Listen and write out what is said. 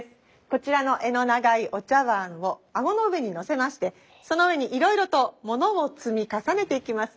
こちらの柄の長いお茶碗を顎の上にのせましてその上にいろいろと物を積み重ねていきます。